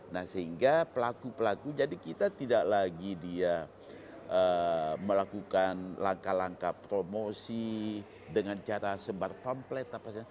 nah sehingga pelaku pelaku jadi kita tidak lagi dia melakukan langkah langkah promosi dengan cara sebar pamplet